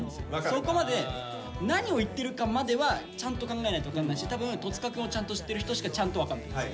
そこまで何を言ってるかまではちゃんと考えないと分かんないし多分戸塚くんをちゃんと知ってる人しかちゃんと分かんない。